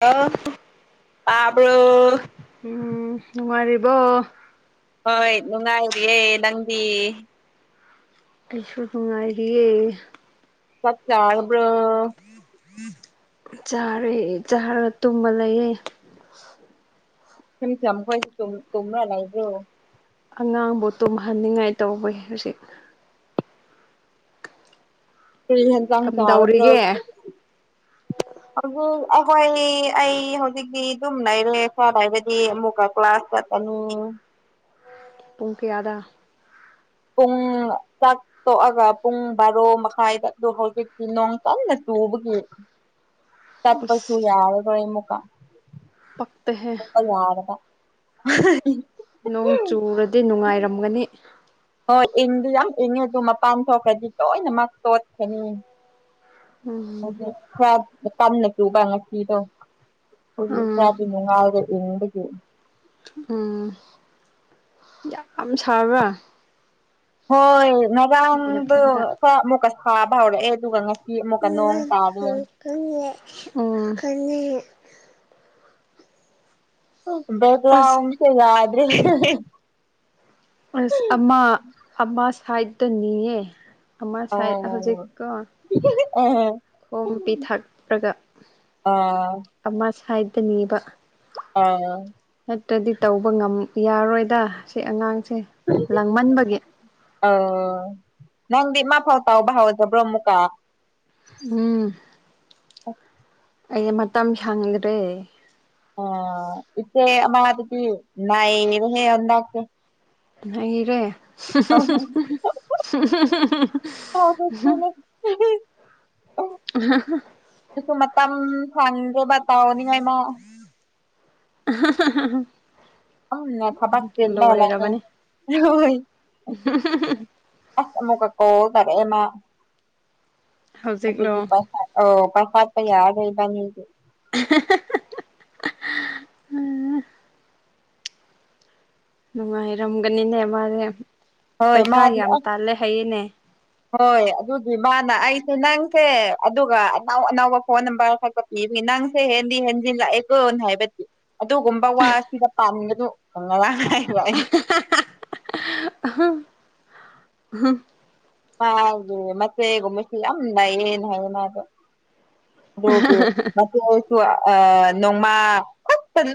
Hello ꯇꯥꯕ꯭ꯔꯣ ꯎꯝ ꯅꯨꯡꯉꯥꯏꯔꯤꯕꯣ ꯍꯣꯏ ꯅꯨꯡꯉꯥꯏꯔꯤꯌꯦ ꯅꯪꯗꯤ ꯑꯩꯁꯨ ꯅꯨꯡꯉꯥꯏꯔꯤꯌꯦ ꯆꯥꯛ ꯆꯥꯔꯕ꯭ꯔꯣ ꯆꯥꯔꯦ ꯆꯥꯔꯒ ꯇꯨꯝꯃ ꯂꯩꯌꯦ [unintelligible] ꯈꯣꯏ ꯇꯨꯝ ꯇꯨꯝꯃ ꯂꯩꯕ꯭ꯔꯣ ꯑꯉꯥꯡꯕꯨ ꯇꯨꯝꯍꯟꯅꯤꯡꯉꯥꯏ ꯇꯧꯕꯩ ꯍꯧꯖꯤꯛ ꯀꯔꯤ ꯍꯦꯟꯁꯥꯡ ꯆꯥꯔꯕꯅꯣ ꯀꯝꯗꯧꯔꯤꯒꯦ ꯉꯁꯤ ꯑꯗꯨꯕꯨ ꯑꯩꯈꯣꯢ ꯑꯩ ꯍꯧꯖꯤꯛꯇꯤ ꯑꯗꯨꯝ ꯂꯩꯔꯦ ꯈꯔ ꯂꯩꯔꯗꯤ ꯑꯃꯨꯛꯀ ꯀ꯭ꯂꯥꯁ ꯆꯠ ꯒꯅꯤ ꯄꯨꯡ ꯀꯌꯥꯗ ꯄꯨꯡ ꯆꯥꯛ ꯇꯣꯛꯑꯒ ꯄꯨꯡ ꯕꯥꯔꯣ ꯃꯈꯥꯏꯗ ꯑꯗꯨ ꯍꯧꯖꯤꯛꯇꯤ ꯅꯣꯡ ꯀꯟꯅ ꯆꯨꯕꯒꯤ ꯇꯠꯄꯁꯨꯨ ꯑꯁ ꯌꯥꯔꯔꯣꯢꯕ ꯑꯃꯨꯛꯒ ꯄꯛꯇꯦꯍꯦ ꯆꯠꯄ ꯌꯥꯗꯕ ꯅꯣꯡ ꯆꯨꯔꯗꯤ ꯅꯨꯡꯉꯥꯏꯔꯝꯒꯅꯤ ꯍꯣꯏ ꯏꯪꯗꯨ ꯌꯥꯝ ꯏꯪꯉꯦ ꯑꯗꯨ ꯃꯄꯥꯟ ꯊꯣꯛꯈ꯭ꯔꯗꯤ ꯂꯣꯏꯅꯃꯛ ꯇꯣꯠꯀꯅꯤ ꯎꯝ ꯍꯧꯖꯤꯛ ꯈꯔ ꯀꯟꯅ ꯆꯎꯕ ꯉꯁꯤꯗꯣ ꯍꯧꯖꯤꯛ ꯎꯝ ꯈꯔꯗꯤ ꯅꯨꯡꯉꯥꯏꯔꯦ ꯏꯪꯕꯒꯤ ꯎꯝ ꯌꯥꯝ ꯁꯥꯕ꯭ꯔꯥ ꯍꯣꯏ ꯅꯪꯒꯤ ꯉꯔꯥꯡꯗꯨ ꯅꯐꯝꯗ ꯃꯨꯛꯀ ꯁꯥꯕ ꯍꯧꯔꯛꯑꯦ ꯑꯗꯨꯒ ꯉ ꯑꯃꯨꯛꯀ ꯅꯣꯡ ꯇꯥꯔꯦ ꯈꯪꯉꯦ [unintelligible] ꯎꯝ [unintelligible] ꯈꯪꯉꯦ [unintelligible] ꯑꯁ ꯕꯒ꯭ꯔꯝꯁ [unintelligible] ꯌꯥꯗ꯭ꯔꯦ ꯑ꯭ꯁ ꯑꯃ ꯑꯃ ꯁꯥꯏꯠꯇꯅꯤꯌꯦ ꯑꯃ ꯁꯥꯏꯠ ꯑꯣ ꯍꯧꯖꯤꯛꯀꯣ ꯑꯦ ꯈꯣꯝ ꯄꯤ ꯊꯛꯔꯒ ꯑꯥ ꯑꯃ ꯁꯥꯏꯗꯅꯦꯕ ꯑꯥ ꯅꯠꯇ꯭ꯔꯗꯤ ꯇꯧꯕ ꯉꯝ ꯌꯥꯔꯣꯏꯗ ꯁꯤ ꯑꯉꯥꯡꯁꯦ ꯂꯥꯡꯃꯟꯕꯒꯤ ꯅꯪꯗꯤ ꯃꯥ ꯐꯥꯎ ꯇꯥꯎꯕ ꯍꯧꯗꯕ꯭ꯔꯣ ꯃꯨꯛꯀ ꯎꯝ [inaudible] ꯑꯩ ꯃꯇꯝ ꯁꯪꯗ꯭ꯔꯦ ꯑꯣ ꯏꯆꯦ ꯑꯃꯗꯨꯗꯤ ꯅꯥꯏꯔꯦꯍꯦ ꯍꯟꯗꯛꯇꯤ ꯅꯩꯔꯦ [inaudible] ꯑ ꯗꯨꯁꯨ ꯃꯇꯝ ꯐꯪꯗ꯭ꯔꯕ ꯇꯥꯎꯅꯤꯡꯉꯥꯏ ꯃꯥ [inaudible] ꯑ [unintelligible] ꯊꯕꯛ ꯆꯤꯜꯂꯦ ꯂꯣꯏꯔꯕꯅꯤ [unintelligible] ꯑ꯭ꯁ ꯑꯃꯨꯛꯀ ꯀꯣꯜ ꯇꯧꯔꯛꯑꯦ ꯃꯥ ꯍꯧꯖꯤꯛꯂꯣ ꯑꯗꯨꯗꯤ ꯄꯁꯥ ꯑ ꯄꯩꯁꯥꯠꯄ [unintelligible] ꯌꯥꯔꯔꯣꯏ ꯏꯗꯤ ꯎꯝ ꯅꯨꯡꯉꯥꯏꯔꯝꯒꯅꯤꯅꯦ ꯃꯥꯗꯤ ꯍꯣꯏ ꯃꯥꯗꯤ ꯑ꯭ꯁ ꯍꯣꯏ ꯑꯗꯨꯒꯤ ꯃꯥꯅ ꯑꯩꯁꯦ ꯅꯪꯁꯦ ꯑꯗꯨꯒ ꯑꯅꯧ ꯑꯅꯧꯕ ꯐꯣꯟ ꯅꯝꯕꯔ ꯈ [unintelligible] ꯅꯪꯁꯦ ꯍꯦꯟꯗꯤ ꯍꯟꯖꯤꯜꯂꯛ ꯑꯦꯀꯣ ꯍꯥꯏꯕꯗꯤ ꯑꯗꯨꯒꯨꯝꯕ ꯋꯥ ꯑꯁꯤꯗ ꯄꯥꯝꯒꯅꯨ ꯐꯪꯉꯔ [unintelligible] ꯍꯥꯏꯔ [unintelligible] ꯑꯩ ꯍꯝ [unintelligible] ꯃꯆꯦꯒꯨꯝꯕꯁꯦ ꯌꯥꯝ ꯅꯩꯌꯦ ꯍꯥꯏꯕ ꯃꯥꯗꯣ ꯃꯦ [unintelligible] ꯃꯆꯦꯗꯨꯁꯨ ꯑ ꯅꯣꯡꯃꯥ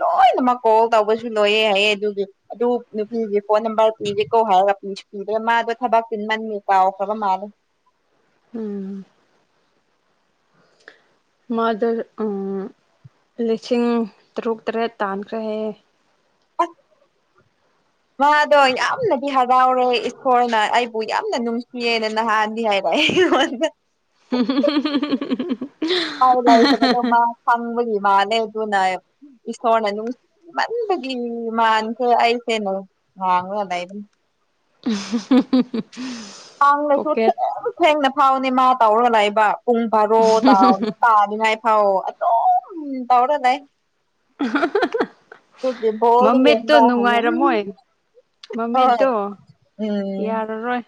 ꯂꯣꯏꯅꯃꯛ ꯀꯣꯜ ꯇꯧꯕꯁꯨ ꯂꯣꯏꯌꯦ ꯍꯥꯏꯌꯦ ꯑꯗꯨꯒꯤ ꯑꯗꯨ ꯅꯨꯄꯤꯒꯤ ꯐꯣꯟ ꯅꯝꯕꯔ ꯄꯤꯒꯦꯀꯣ ꯍꯥꯏꯔꯒ ꯄꯤꯗꯦ ꯃꯥꯗꯣ ꯊꯕꯛ ꯆꯤꯟꯃꯟ ꯀꯥꯎꯈ꯭ꯔꯕ ꯃꯥꯜꯂꯦ ꯎꯝ ꯃꯥꯗꯣ ꯎꯝ ꯂꯤꯁꯤꯡ ꯇꯔꯨꯛ ꯇꯔꯦꯠ ꯇꯥꯟꯈ꯭ꯔꯦ ꯍꯥꯏꯌꯦ [inaudible] [inaudible] ꯃꯥꯗꯣ ꯌꯥꯝꯅꯗꯤ ꯍꯔꯥꯎꯔꯦ ꯏꯁꯣꯔꯅ ꯑꯩꯕꯨ ꯌꯥꯝꯅ ꯅꯨꯡꯁꯤꯌꯦꯅ ꯅꯍꯥꯟꯗꯤ ꯍꯥꯏ ꯑꯣ [unintelligible] ꯑꯩ [unintelligible] ꯉꯣꯟꯗꯥ [inaudible] ꯄꯥꯎ ꯂꯩꯇꯕꯗ ꯃꯥ ꯈꯪꯕꯒꯤ ꯃꯥꯜꯂꯦ ꯑꯗꯨꯅ ꯏꯁꯣꯔꯅ ꯅꯨꯡꯁꯤꯃꯟꯕꯒꯤ ꯃꯥꯟꯈꯔ꯭ꯦ ꯑꯩꯁꯦ ꯅꯨ ꯋꯥꯥꯡꯕ ꯂꯩꯕꯅꯤ [inaudible] [unintelligible] ꯂꯩꯇꯦ ꯄꯣꯀꯦꯠ ꯊꯦꯡ ꯊꯦꯡꯅ ꯐꯥꯎꯅꯦ ꯃꯥ ꯇꯧꯔ ꯂꯩꯕ ꯄꯨꯡ ꯕꯥꯔꯣ ꯇꯥꯎ ꯇꯥꯗꯔ꯭ꯤꯉꯥꯏ ꯐꯥꯎ ꯑꯗꯨꯝ ꯇꯧꯔ ꯂꯩ ꯑꯗꯨꯒꯤ ꯕꯣꯜꯗꯤ ꯃꯃꯤꯠꯇꯨ ꯌꯦꯡꯕ꯭ꯔꯥ ꯍꯪꯉꯦ ꯅꯨꯡꯉꯥꯏꯔꯝꯃꯣꯏ ꯍꯣꯏ ꯃꯃꯤꯠꯇꯣ ꯎꯝ ꯌꯥꯔꯔꯣꯏ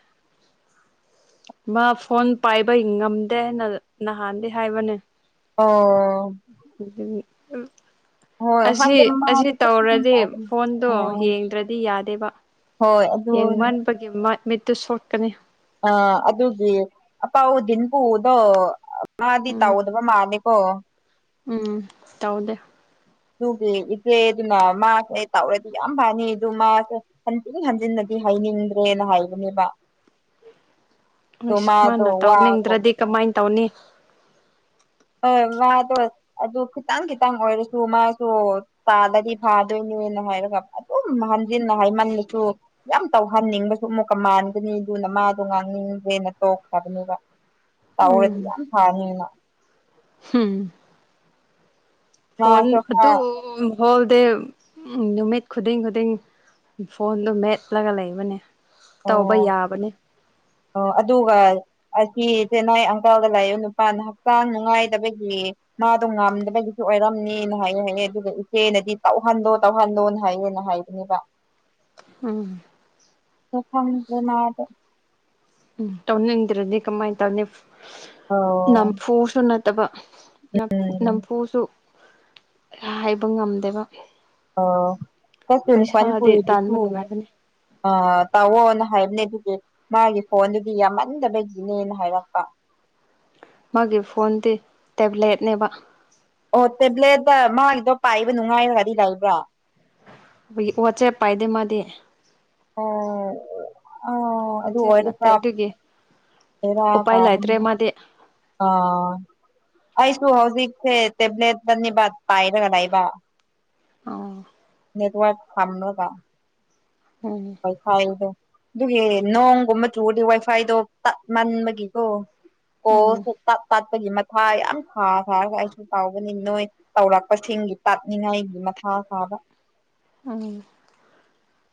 ꯃꯥ ꯐꯣꯟ ꯄꯥꯏꯕꯩ ꯉꯝꯗꯦꯅ ꯅꯍꯥꯟꯗꯤ ꯍꯥꯏꯕꯅꯦ ꯑꯣ ꯑꯗꯨꯒꯤ ꯑꯥꯎ ꯍꯣꯏ ꯑꯁꯤ ꯍꯟꯗꯛ ꯑꯁꯤ ꯃꯥꯗꯣ ꯊꯣꯛꯄꯒꯨꯝ ꯇꯧꯔꯗꯤ ꯇꯧꯕꯅꯦ ꯐꯣꯟꯗꯣ ꯑꯣ ꯌꯦꯡꯗ꯭ꯔꯗꯤ ꯌꯥꯗꯦꯕ ꯍꯣꯏ ꯑꯗꯨꯅꯤ ꯄꯒꯤ ꯃꯥꯏ ꯃꯤꯠꯇꯨ ꯁꯣꯛꯀꯅꯤ ꯑ ꯑꯗꯨꯒꯤ ꯑꯄꯥꯥꯎꯗꯤꯟꯄꯨꯗꯣ ꯃꯥꯗꯤ ꯎꯝ ꯇꯧꯗꯕ ꯃꯥꯜꯂꯤ ꯀꯦ ꯎꯝ ꯇꯧꯗꯦ ꯗꯨꯒꯤ ꯏꯆꯦꯗꯨꯅ ꯃꯥꯁꯦ ꯇꯧꯔꯗꯤ ꯌꯥꯝ ꯐꯅꯤ ꯑꯗꯨ ꯃꯥꯁꯦ ꯍꯟꯖꯤꯟ ꯍꯟꯖꯤꯟꯅꯗꯤ ꯍꯥꯏꯅꯤꯡꯗ꯭ꯔꯦꯅ ꯍꯥꯏꯕꯅꯦꯕ ꯑꯗꯣ ꯑꯁ ꯃꯥꯗꯣ ꯃꯥꯅ ꯋꯥꯒꯨꯝ ꯇꯧꯅꯤꯡꯗ꯭ꯔꯗꯤ ꯀꯃꯥꯏ ꯇꯧꯅꯤ ꯍꯣꯏ ꯃꯥꯗꯣ ꯑꯗꯨ ꯈꯤꯇꯪ ꯈꯤꯇꯪ ꯑꯣꯏꯔꯁꯨ ꯃꯥꯁꯨ ꯇꯥꯜꯂꯥꯗꯤ ꯐꯥꯗꯣꯏꯅꯦꯅ ꯍꯥꯏꯔꯒ ꯑꯗꯨꯝ ꯍꯟꯖꯤꯟꯅ ꯍꯥꯏꯃꯜꯂꯁꯨ ꯌꯥꯝ ꯇꯧꯍꯟꯅꯤꯡꯕꯁꯨ ꯑꯃꯨꯛꯀ ꯃꯥꯟꯒꯅꯤ ꯑꯗꯨꯅ ꯃꯥꯗꯣ ꯉꯥꯡꯅꯤꯡꯗ꯭ꯔꯦꯅ ꯇꯣꯛꯈ꯭ꯔꯕꯅꯦꯕ [inaudible] ꯇꯧꯔ꯭ꯗꯤ ꯌꯥꯝ ꯐꯥꯅꯤꯅꯥ ꯍꯝ ꯐꯣꯟ ꯃꯥꯁꯨ ꯈꯔ ꯑꯗꯨꯝ ꯍꯣꯜꯗꯦ ꯎꯝ ꯅꯨꯃꯤꯠ ꯈꯨꯗꯤꯡ ꯈꯨꯗꯤꯡ ꯐꯣꯟꯗꯨ ꯃꯦꯠꯂꯒ ꯂꯩꯕꯅꯦ ꯑꯣ ꯇꯧꯕ ꯌꯥꯕꯅꯤ ꯑꯣ ꯑꯗꯨꯒ ꯑꯁꯤ ꯆꯦꯟꯅꯥꯏ ꯑꯪꯀꯜꯒ ꯂꯩꯕꯥ ꯅꯨꯄꯥꯅ ꯍꯛꯆꯥꯡ ꯅꯨꯡꯉꯥꯏꯇꯕꯒꯤ ꯃꯥꯗꯣ ꯉꯝꯗꯕꯒꯤꯁꯨ ꯑꯣꯏꯔꯝꯅꯤꯅ ꯍꯥꯏꯌꯦ ꯍꯥꯏꯌꯦ ꯑꯗꯨꯒ ꯏꯆꯦꯅꯗꯤ ꯇꯧꯍꯟꯂꯣ ꯇꯧꯍꯜꯂꯣꯅ ꯍꯥꯏꯌꯦꯅ ꯍꯥꯏꯕꯅꯦꯕꯥ ꯎꯝ ꯑꯩ ꯈꯪꯗꯔꯦ ꯃꯗꯣ ꯎꯝ ꯇꯧꯅꯤꯡꯗ꯭ꯔꯗꯤ ꯀꯃꯥꯏ ꯇꯧꯅꯤ ꯑꯣ ꯅꯝꯐꯨꯁꯨ ꯅꯠꯇꯕ ꯅꯞꯐꯨ ꯎꯝ ꯅꯝꯐꯨꯁꯨ ꯍꯥꯏꯕ ꯉꯝꯗꯦꯕ ꯑꯧ [unintelligible] ꯐꯟ ꯄꯩꯁꯥꯗꯤ ꯄꯨꯔꯤꯗꯨꯁꯨ ꯇꯥꯟꯕ ꯅꯨꯡꯉꯥꯏꯕꯅꯤ ꯑ ꯇꯧꯑꯣꯅ ꯍꯥꯏꯕꯅꯦ ꯑꯗꯨꯒꯤ ꯃꯥꯒꯤ ꯐꯣꯟꯗꯨꯗꯤ ꯌꯥꯝꯃꯟꯗꯕꯒꯤꯅꯦꯅ ꯍꯥꯏꯔꯛꯄ ꯃꯥꯒꯤ ꯐꯣꯟꯗꯤ ꯇꯦꯕ꯭ꯂꯦꯠꯅꯦꯕ ꯑꯣ ꯇꯦꯕ꯭ꯂꯦꯠꯇ ꯃꯥꯒꯤꯗꯣ ꯄꯥꯏꯕ ꯅꯨꯡꯉꯥꯏꯔꯗꯤ ꯂꯩꯕ꯭ꯔꯥ ꯑꯩꯈꯣꯏꯒꯤ ꯋꯥꯆꯦꯞ ꯄꯥꯏꯗꯦ ꯃꯥꯗꯤ ꯑꯧ ꯑꯥ ꯑꯗꯨ ꯋꯥꯆꯦꯞ ꯑꯣꯏꯔꯗꯤ ꯅꯠꯇꯦ ꯈꯔꯥ ꯑꯗꯨꯒꯤ ꯕꯦꯔꯥ ꯎꯄꯥꯏ ꯀꯥꯕꯅꯤ ꯂꯩꯇ꯭ꯔꯦ ꯃꯥꯗꯤ ꯑꯥ ꯑꯩꯁꯨ ꯍꯧꯖꯤꯛꯁꯦ ꯇꯦꯕ꯭ꯂꯦꯠꯇꯥꯅꯤꯕ ꯄꯥꯏꯔꯒ ꯂꯩꯕ ꯑꯣ ꯅꯦꯠꯋꯥꯔꯛ ꯁꯝꯝꯒ ꯎꯝ ꯎꯝ ꯋꯥꯏꯐꯥꯏꯗꯣ ꯑꯗꯨꯒꯤ ꯅꯣꯡꯒꯨꯝꯕ ꯆꯨꯔꯗꯤ ꯋꯥꯏꯐꯥꯏꯗꯣ ꯇꯠ ꯃꯟꯕꯒꯤꯀꯣ ꯑꯣ ꯇꯥ ꯇꯥꯠꯄꯥꯠꯄꯒꯤ ꯃꯊꯥ ꯌꯥꯝ ꯁꯥꯕ ꯑꯩꯁꯨ ꯇꯧꯕꯅꯤ ꯅꯣꯏ ꯇꯧꯔꯛꯄꯁꯤꯡꯒꯤ ꯇꯥꯛꯅꯤꯡꯉꯥꯏꯒꯤ ꯃꯊꯥ ꯁꯥꯕ ꯎꯝ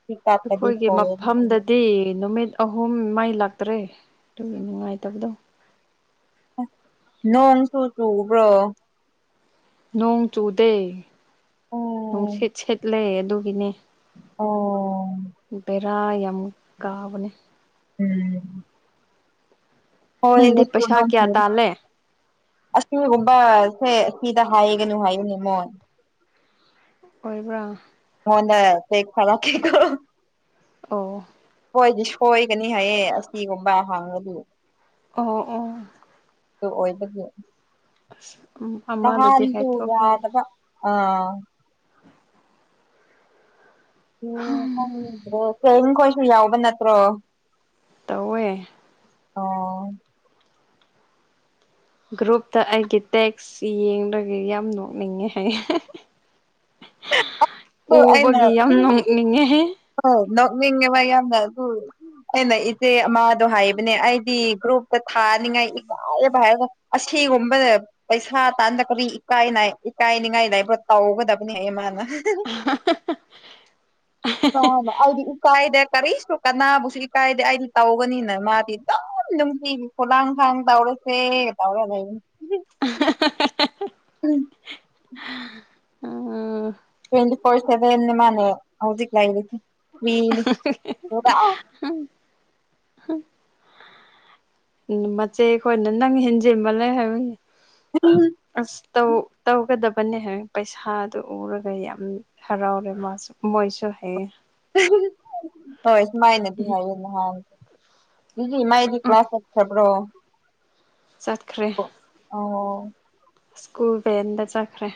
ꯁꯤ ꯇꯠꯂꯗꯤ ꯑꯩꯈꯣꯏꯒꯤ ꯍꯧꯔꯅꯤ ꯃꯐꯝꯗꯗꯤ ꯅꯨꯃꯤꯠ ꯅꯨꯃꯤꯠ ꯑꯍꯨꯝ ꯃꯩ ꯂꯥꯛꯇ꯭ꯔꯦ ꯑꯗꯨꯒꯤ ꯅꯨꯡꯉꯥꯏꯇꯕꯗꯣ ꯅꯣꯡ ꯁꯨ ꯆꯨꯕ꯭ꯔꯣ ꯅꯣꯡ ꯆꯨꯗꯦ ꯑꯣ ꯅꯨꯡꯁꯤꯠ ꯁꯤꯠꯂꯦ ꯑꯗꯨꯒꯤꯅꯦ ꯑꯣ ꯚꯦꯔꯥ ꯌꯥꯝ ꯀꯥꯕꯅꯦ ꯎꯝ ꯍꯣꯏ ꯅꯪꯗꯤ ꯄꯩꯁꯥ ꯀꯌꯥ [unintelligible] ꯇꯥꯜꯂꯦ ꯑꯁꯤꯒꯨꯝꯕꯁꯦ ꯑꯁꯤꯗ ꯍꯥꯏꯒꯅꯨ ꯍꯥꯏꯕꯅꯦ ꯃꯣꯏ ꯑꯣꯏꯕ꯭ꯔꯥ [unintelligible] ꯑꯣ ꯑꯩꯈꯣꯏꯗꯤ ꯁꯣꯏꯒꯅꯤ ꯍꯥꯏꯌꯦ ꯑꯁꯤꯒꯨꯝꯕ ꯍꯥꯡꯉꯗꯤ ꯑꯣ ꯎꯝ ꯑꯗꯨ ꯑꯣꯏꯕꯗꯤ ꯎꯝ ꯑꯃꯗꯨꯗꯤ ꯅꯍꯥꯟꯁꯨ ꯍꯥꯏꯊꯣꯛꯈ꯭ꯔꯅꯤ ꯌꯥꯗꯕ ꯑ ꯑꯣ ꯈꯪꯗ꯭ꯔꯦ ꯈꯣꯏꯁꯨ ꯌꯥꯎꯕ ꯅꯠꯇ꯭ꯔꯣ ꯇꯧꯋꯦ ꯑꯣ ꯒ꯭ꯔꯨꯞꯇ ꯑꯩꯒꯤ ꯇꯦꯛꯁ ꯌꯦꯡꯂꯡꯒ ꯌꯥꯝ ꯅꯣꯛꯅꯤꯡꯉꯦ ꯍꯥꯏ ꯍꯣꯏ ꯑꯩꯅ ꯎꯕꯒꯤ ꯌꯥꯝ ꯅꯣꯡꯥꯛꯅꯤꯡꯉꯦꯍꯦ ꯑꯧ ꯅꯣꯛꯅꯤꯡꯉꯦꯕ ꯌꯥꯝꯅ ꯑꯗꯨ ꯑꯩꯅ ꯏꯆꯦ ꯑꯃꯗꯣ ꯍꯥꯏꯕꯅꯦ ꯑꯩꯗꯤ ꯒ꯭ꯔꯨꯞꯇ ꯊꯥꯅꯤꯡꯉꯥꯏ ꯏꯀꯥꯏꯕ ꯍꯥꯏꯔꯒ ꯑꯁꯤꯒꯨꯝꯕꯗ ꯄꯩꯁꯥ ꯇꯥꯟꯗ ꯀꯔꯤ ꯏꯀꯥꯏ ꯏꯀꯥꯏꯅꯤꯉꯥꯏ ꯂꯩꯕ꯭ꯔꯥ ꯇꯧꯒꯗꯕ ꯃꯥꯅ ꯇꯥꯎꯕ ꯑꯩꯗꯤ ꯏꯀꯥꯏꯗꯦ ꯀꯔꯤꯁꯨ ꯀꯅꯥꯕꯨꯁꯨ ꯏꯀꯥꯏꯗꯦ ꯑꯩꯗꯤ ꯇꯧꯒꯅꯤꯅ ꯃꯥꯗꯤ ꯑꯗꯨꯝ ꯅꯨꯡꯇꯤꯒꯤ ꯈꯨꯨꯂꯥꯡ ꯈꯥꯟ ꯇꯧꯔꯁꯦ ꯇꯧꯔ ꯂꯩ ꯎꯝ ꯇ꯭ꯋꯇꯤ ꯐꯣꯔ ꯁꯚꯦꯟꯅꯦ ꯃꯥꯅ ꯍꯧꯖꯤꯛ ꯂꯩꯔꯤꯁꯦ ꯃꯩꯅꯤ ꯄꯨꯔꯥ ꯎꯝ ꯃꯆꯦ ꯈꯣꯏꯅ ꯅꯪ ꯍꯦꯟꯖꯤꯟꯃꯜꯂꯦ ꯍꯥꯏꯕꯅꯦ ꯎꯝ ꯑꯁ ꯇꯧ ꯇꯧꯒꯗꯕꯅꯦꯍꯝ ꯍꯥꯏꯌꯦ ꯄꯩꯁꯥꯗꯨ ꯎꯔꯒ ꯌꯥꯝ ꯍꯔꯥꯎꯔꯦ ꯃꯥꯁꯨ ꯃꯣꯏꯁꯨ ꯍꯥꯏꯌꯦ ꯍꯣꯏ ꯁꯨꯃꯥꯏꯅꯗꯤ ꯍꯥꯏꯌꯦ ꯅꯍꯥꯟ ꯏꯗꯤ ꯃꯥꯏꯗꯤ ꯎꯝ ꯀ꯭ꯂꯥꯁ ꯆꯠꯈ꯭ꯔꯕ꯭ꯔꯣ ꯆꯠꯈ꯭ꯔꯦ ꯑꯣ ꯁ꯭ꯀꯨꯜ ꯚꯦꯟꯗ ꯆꯠꯈ꯭ꯔꯦ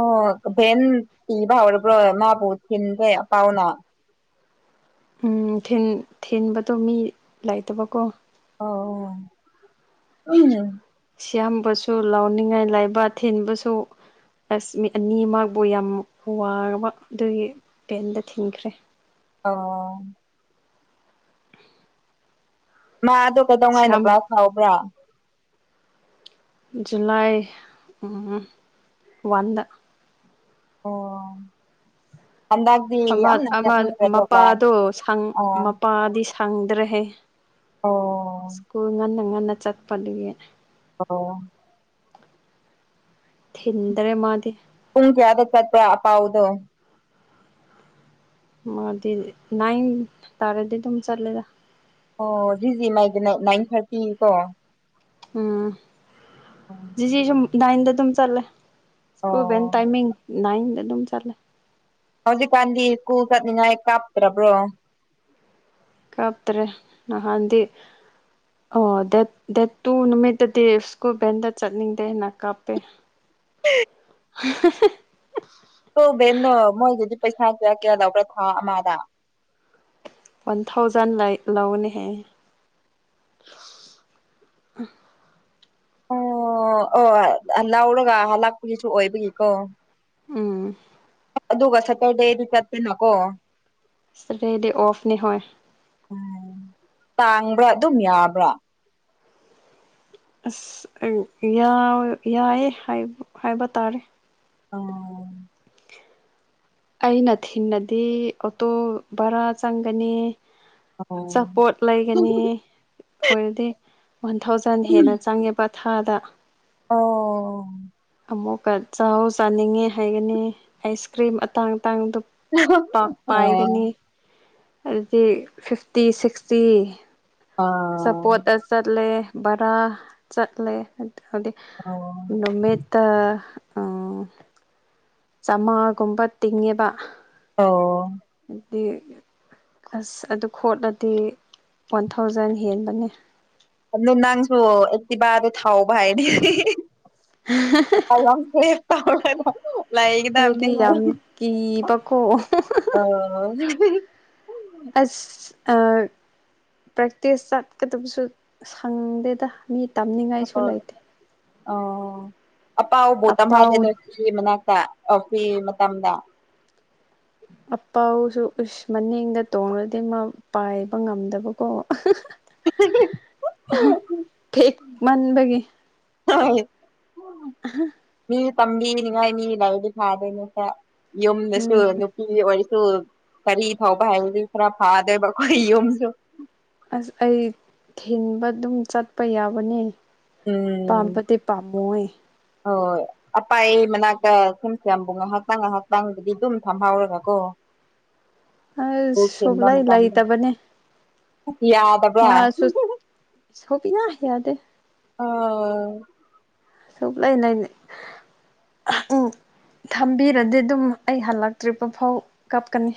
ꯑꯣ ꯚꯦꯟ ꯄꯤꯕꯥ ꯍꯧꯔꯕ꯭ꯔꯣ ꯃꯥꯕꯨ ꯊꯤꯟꯗꯦ ꯑꯄꯥꯎꯅ ꯎꯝ ꯊꯤꯟ ꯊꯤꯟꯕꯗꯣ ꯃꯤ ꯂꯩꯇꯕꯀꯣ ꯑꯣ ꯁꯤꯌꯥꯝꯕꯁꯨ ꯂꯧꯅꯤꯡꯉꯥꯏ ꯂꯩꯕ ꯊꯤꯟꯕꯁꯨ ꯑꯁ ꯃꯤ ꯑꯅꯤꯃꯛꯕꯨ ꯌꯥꯝ ꯋꯥꯔꯕ ꯑꯗꯨꯒꯤ ꯄꯦꯟꯗ ꯊꯤꯟꯈ꯭ꯔꯦ꯫ ꯑꯣ ꯃꯥ ꯑꯗꯨ ꯀꯩꯗꯧꯉꯩꯅ ꯁꯤꯌꯥꯝ ꯀ꯭ꯂꯥꯁ ꯍꯧꯕꯔ꯭ꯥ ꯫ ꯖꯨꯂꯥꯏ ꯎꯝ ꯋꯥꯟꯗ꯫ ꯑꯣ ꯍꯟꯗꯛ ꯑꯃ ꯑꯃ ꯃꯄꯥꯗꯣ ꯁꯪ ꯑꯥ ꯃꯄꯥꯗꯤ ꯁꯪꯗ꯭ꯔꯦꯍꯦ ꯑꯣ ꯁ꯭ꯀꯨꯜ ꯉꯟꯅ ꯉꯟꯅ ꯆꯠꯄꯗꯨꯒꯤ꯫ ꯑꯣ ꯊꯤꯟꯗꯔꯦ ꯃꯥꯗꯤ ꯄꯨꯡ ꯀꯌꯥꯗ ꯆꯠꯄ ꯑꯄꯥꯎꯗꯣ꯫ ꯃꯥꯗꯤ ꯅꯥꯏꯟ ꯇꯥꯔꯗꯤ ꯗꯨꯝ ꯆꯠꯂꯦꯗ꯫ ꯑꯣ ꯖꯤꯖꯤ ꯃꯥꯏꯗꯤꯅꯥꯏ ꯅꯥꯏꯟ ꯊꯔꯇꯤ ꯀꯣ꯫ ꯎꯝ ꯖꯤꯖꯤꯁꯨ ꯅꯥꯏꯟꯗ ꯗꯨꯝ ꯆꯠꯂꯦ꯫ ꯁꯀ꯭ꯨꯜ ꯕꯦꯟ ꯑꯣ ꯇꯥꯏꯃꯤꯡ ꯅꯥꯏꯟꯗ ꯑꯗꯨꯝ ꯆꯠꯂꯦ꯫ ꯍꯧꯖꯤꯛꯀꯥꯟꯗꯤ ꯁ꯭ꯀꯨꯜ ꯆꯠꯅꯤꯡꯉꯥꯏ ꯀꯥꯞꯇ꯭ꯔꯕ꯭ꯔꯣ꯫ ꯀꯞꯇ꯭ꯔꯦ ꯅꯍꯥꯟꯗꯤ꯫ ꯑꯣ ꯗꯦꯠ ꯗꯦꯠ ꯇꯨ ꯅꯨꯃꯤꯠꯇꯗꯤ ꯁ꯭ꯀꯨꯜ ꯕꯦꯟꯗ ꯆꯠꯅꯤꯡꯗꯦ ꯍꯥꯏꯅ ꯀꯥꯞꯄꯦ꯫ [inaudible] [inaudible] [inaudible] ꯑꯗꯣ ꯕꯦꯟꯅꯣ ꯃꯣꯏꯗꯗꯤ ꯄꯩꯁꯥ ꯀꯌꯥ ꯀꯌꯥ ꯂꯧꯕ꯭ꯔꯥ ꯊꯥ ꯑꯃꯥꯗ꯫ ꯋꯥꯟ ꯊꯥꯎꯖꯟ ꯂꯩ ꯂꯧꯒꯅꯤ ꯍꯥꯏꯌꯦ ꯫ ꯑꯣ ꯑꯣ ꯂꯥꯎꯔꯒ ꯍꯂꯛꯄꯒꯤꯁꯨ ꯑꯣꯏꯕꯒꯤꯀꯣ꯫ ꯎꯝ ꯑꯗꯨꯒ ꯁꯇꯔꯗꯦꯗꯤ ꯆꯠꯇꯦꯅꯀꯣ꯫ ꯁꯗꯔꯗꯦꯗꯤ ꯑꯣꯐꯅꯤ ꯍꯣꯏ꯫ ꯎꯝ ꯇꯥꯡꯕ꯭ꯔꯥ ꯑꯗꯨꯝ ꯌꯥꯕ꯭ꯔꯥ꯫ ꯑꯁ ꯌꯥꯎ ꯌꯥꯏꯌꯦ ꯍꯥꯏ ꯍꯥꯏꯕ ꯇꯥꯔꯦ꯫ ꯑꯣ ꯑꯩꯅ ꯊꯤꯡꯅꯗꯤ ꯑꯣꯇꯣ ꯕꯔꯥ ꯆꯪꯒꯅꯤ꯫ ꯑꯣ ꯑꯆꯥꯄꯣꯠ ꯂꯩꯒꯅꯤ꯫ ꯑꯣꯏꯔꯗꯤ ꯋꯥꯟ ꯊꯥꯎꯖꯟ ꯍꯦꯟꯅ ꯆꯪꯉꯦꯕ ꯊꯥꯗ꯫ ꯑꯣ ꯑꯃꯨꯛꯀ ꯆꯥꯎ ꯆꯥꯅꯤꯡꯉꯦ ꯍꯥꯏꯒꯅꯤ ꯑꯥꯏꯁꯀ꯭ꯔꯤꯝ ꯑꯇꯥꯡ ꯑꯇꯥꯡꯕꯗꯨ ꯥꯄꯥꯛ ꯑꯣ ꯄꯥꯏꯒꯅꯤ ꯑꯗꯨꯗꯤ ꯐꯤꯐꯇꯤ ꯁꯤꯛꯁꯇꯤ ꯑꯥ ꯆꯥꯄꯣꯠꯇ ꯆꯠꯂꯦ ꯕꯔꯥ ꯆꯠꯂꯦ ꯑꯗꯨꯗꯤ ꯑꯣ ꯅꯨꯃꯤꯠ ꯇ ꯑꯥ ꯆꯥꯝꯃꯉꯥꯒꯨꯝꯕ ꯇꯤꯡꯉꯦꯕ꯫ ꯑꯣ ꯑꯗꯤ ꯑꯁ ꯑꯗꯨ ꯈꯣꯠꯂꯗꯤ ꯋꯥꯟ ꯊꯥꯎꯖꯟ ꯍꯦꯟꯕꯅꯦ꯫ ꯑꯗꯨ ꯅꯪꯁꯨ ꯑꯦꯛꯇꯤꯕꯗꯨ ꯊꯥꯎꯕ ꯍꯥꯏꯔꯗꯤ [inaudible] [unintelligible] ꯑꯩꯗꯤ ꯌꯥꯝ ꯀꯤꯕꯀꯣ꯫ ꯑꯣ ꯑꯁ ꯑꯥ ꯄ꯭ꯔꯦꯛꯇꯤꯁ ꯆꯠꯀꯗꯕꯁꯨ ꯁꯪꯗꯦꯗ ꯃꯤ ꯇꯝꯅꯤꯡꯉꯥꯏꯁꯨ ꯍꯣꯏ ꯂꯩꯇꯦ ꯑꯣ ꯑꯄꯥꯥꯎꯕꯨ ꯑꯄꯥꯎ ꯇꯝꯍꯜꯂꯦ [unintelligible] ꯃꯅꯥꯛꯇ ꯑꯥ ꯐꯤ ꯃꯇꯝꯗ ꯑꯄꯥꯎꯁꯨ ꯎꯁ ꯃꯅꯤꯡꯗ ꯇꯣꯡꯂꯗꯤ ꯃꯥ ꯄꯥꯏꯕ ꯉꯝꯗꯕꯀꯣ ꯊꯦꯛ ꯃꯟꯕꯒꯤ ꯍꯣꯏ [unintelligible] ꯃꯤ ꯇꯝꯕꯤꯅꯤꯉꯥꯏ ꯃꯤ ꯂꯧꯏꯗꯤ ꯐꯥꯗꯣꯏꯅꯤꯗ ꯌꯨꯝꯗꯁꯨ ꯎꯝ ꯐꯤ ꯑꯣꯏꯔꯁꯨ ꯀꯔꯤ ꯊꯧꯕ ꯍꯥꯏꯔꯗꯤ ꯈꯔ ꯐꯥꯗꯣꯏꯕ ꯑꯩꯈꯣꯏ ꯌꯨꯝꯁꯨ ꯑꯁ ꯑꯩ ꯊꯤꯟꯕ ꯑꯗꯨꯝ ꯆꯠꯄ ꯌꯥꯕꯅꯤ ꯎꯝ ꯍꯣꯏ ꯑꯄꯥꯥꯏ ꯃꯅꯥꯛꯇ ꯁꯨꯝ [unintelligible] ꯉꯥꯏꯍꯥꯛꯇꯪ ꯉꯥꯏꯍꯥꯛꯇꯪꯕꯨꯗꯤ ꯑꯗꯨꯝ ꯐꯝꯍꯥꯎꯔꯒ ꯀꯣ ꯑꯁ ꯁꯨꯛꯂꯩ ꯃꯇꯝꯗ ꯂꯩꯇꯕꯅꯦ ꯌꯥꯗꯕ꯭ꯔꯥ ꯁꯥꯎꯕꯤꯅ ꯌꯥꯗꯦ ꯑꯥ ꯁꯨꯛꯂꯩ [unintelligible] ꯅꯦ ꯎꯝ ꯊꯝꯕꯤꯔꯗꯤ ꯑꯗꯨꯝ ꯑꯩ ꯍꯜꯂꯛꯇ꯭ꯔꯤꯕ ꯐꯥꯎ ꯀꯞꯀꯅꯤ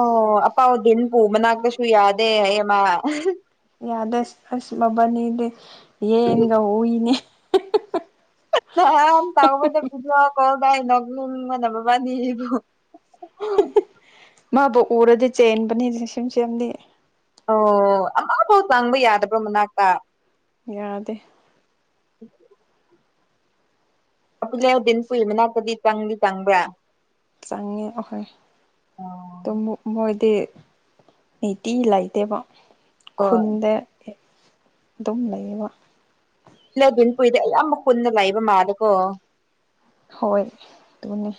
ꯑꯣ ꯑꯄꯥꯎꯗꯤꯟ ꯄꯨ ꯃꯅꯥꯛꯇꯁꯨ ꯌꯥꯗꯦ ꯑꯩꯑꯃ ꯌꯥꯗꯦ ꯑꯁ ꯃꯕꯥꯅꯤꯗꯤ ꯌꯦꯟꯒ ꯍꯨꯏꯅꯦ [unintelligible] ꯀꯣꯜ ꯄꯥꯏꯔ ꯅꯣꯛꯅꯤꯡꯕꯅ ꯃꯕꯅꯤꯕꯨ ꯃꯥꯕꯨ ꯎꯔꯗꯤ ꯆꯦꯟꯕꯅꯦ ꯔꯤꯁꯤꯝ ꯁꯦꯝꯗꯤ ꯑꯣ ꯑꯃꯐꯥꯎ ꯆꯪꯕ ꯌꯥꯗꯕ꯭ꯔꯣ ꯃꯅꯥꯛꯇ ꯌꯥꯗꯦ [inaudible] ꯑꯄꯤꯂꯤꯎꯗꯤꯟ ꯄꯨꯏ ꯃꯅꯥꯛꯇꯗꯤ ꯆꯪꯗꯤ ꯆꯪꯕ꯭ꯔꯥ ꯆꯪꯉꯦ ꯑꯍꯣꯏ ꯑꯣ ꯇꯣ ꯃꯣꯏ ꯇꯤ ꯅꯤꯇꯤ ꯂꯩꯇꯦꯕ ꯈꯨꯟꯗ ꯑꯗꯨꯝ ꯂꯩꯌꯦꯕ ꯂꯩꯗꯤꯟꯄꯨꯏꯗꯤ ꯑꯌꯥꯝꯕ ꯀꯨꯟꯗ ꯂꯩꯕ ꯃꯥꯜꯂꯦꯀꯣ ꯍꯣꯏ ꯗꯨꯅꯦ